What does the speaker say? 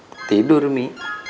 mau tidur mi